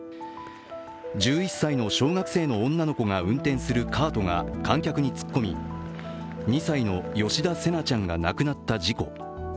１１歳の小学生の女の子が運転するカートが観客に突っ込み、２歳の吉田成那ちゃんが亡くなった事故。